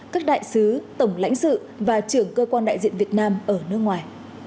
các đại sứ tổng lãnh sự và trưởng cơ quan đại diện việt nam ở nước ngoài